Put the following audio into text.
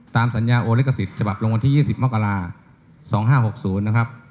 ตามสัญญาโอลิขสิทธิ์ฉบับลงวันที่๒๐มกรา๒๕๖๐นะครับ